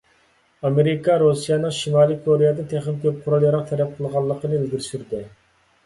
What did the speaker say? ئامېرىكا رۇسىيەنىڭ شىمالىي كورېيەدىن تېخىمۇ كۆپ قورال-ياراغ تەلەپ قىلغانلىقىنى ئىلگىرى سۈردى.